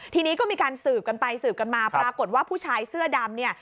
ทีนี้ก็มีการสืบกันไปสืบกันมาปรากฏว่าผู้ชายเสื้อดำเนี่ย